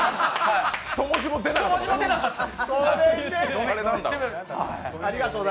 １文字も出なかったです。